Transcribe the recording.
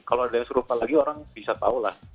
kalau ada yang serupa lagi orang bisa tahu lah